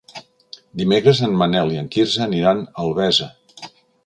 Dimecres en Manel i en Quirze aniran a Albesa.